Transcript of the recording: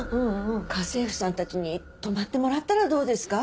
家政婦さんたちに泊まってもらったらどうですか？